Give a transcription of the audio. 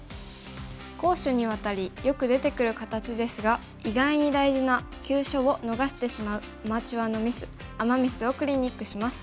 攻守にわたりよく出てくる形ですが意外に大事な急所を逃してしまうアマチュアのミスアマ・ミスをクリニックします。